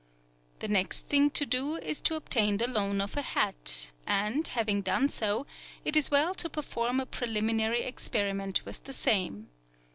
The next thing to do is to obtain the loan of a hat, and having done so, it is well to perform a preliminary experiment with the same.